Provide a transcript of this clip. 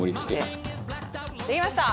できました！